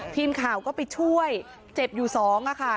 ทีมข่าวก็ไปช่วยเจ็บอยู่สองค่ะ